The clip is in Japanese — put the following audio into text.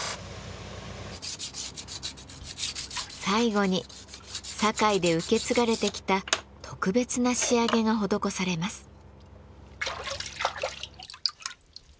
最後に堺で受け継がれてきた特別な仕上げが施されます。